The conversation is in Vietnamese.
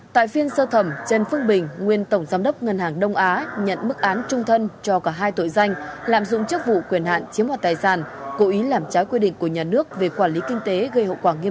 tại phiên sơ thẩm trần văn nguyên đồng chí đồng chí đồng chí đồng chí đồng chí đồng chí đồng chí đồng chí đồng chí đồng chí đồng chí đồng chí